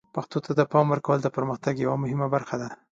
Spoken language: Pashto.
پښتو ته د پام ورکول د پرمختګ یوه مهمه برخه ده.